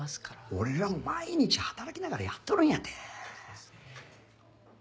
俺らも毎日働きながらやっとるんやて。